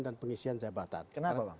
dan pengisian jabatan kenapa